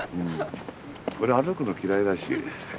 俺歩くの嫌いだし。